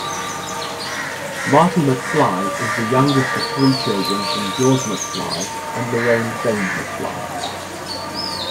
Marty McFly is the youngest of three children from George McFly and Lorraine Baines-McFly.